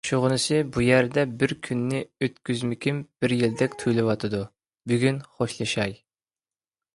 شۇغىنىسى بۇ يەردە بىر كۈننى ئۆتكۈزمىكىم بىر يىلدەك تۇيۇلۇۋاتىدۇ، بۈگۈن خوشلىشاي.